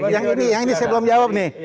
yang ini saya belum jawab nih